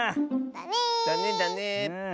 だねだね！